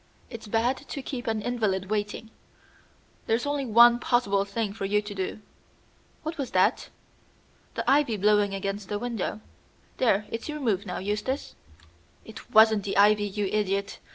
It's bad to keep an invalid waiting. There's only one possible thing for you to do. What was that?" "The ivy blowing against the window. There, it's your move now, Eustace." "It wasn't the ivy, you idiot.